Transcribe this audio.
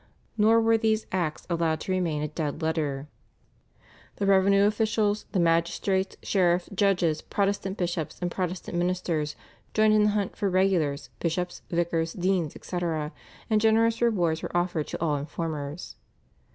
Nor were these acts allowed to remain a dead letter. The revenue officials, the magistrates, sheriffs, judges, Protestant bishops, and Protestant ministers joined in the hunt for regulars, bishops, vicars, deans, etc., and generous rewards were offered to all informers.